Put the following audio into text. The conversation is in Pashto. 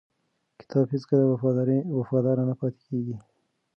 کتاب هیڅکله وفادار نه پاتې کېږي.